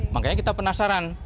makanya kita penasaran